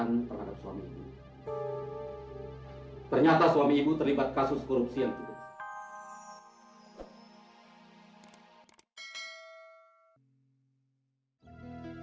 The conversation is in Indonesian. ternyata suami ibu terlibat kasus korupsi yang tidak